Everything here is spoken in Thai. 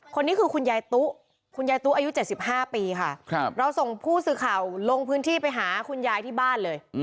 คนนี้คือคุณยายตุ๊คุณยายตุ๊อายุ๗๕ปีค่ะเราส่งผู้สื่อข่าวลงพื้นที่ไปหาคุณยายที่บ้านเลย